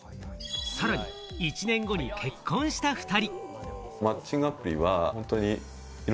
さらに１年後に結婚した２人。